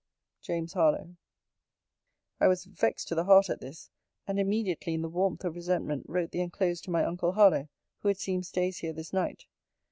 JAMES HARLOWE. I was vexed to the heart at this: and immediately, in the warmth of resentment, wrote the enclosed to my uncle Harlowe; who it seems stays here this night.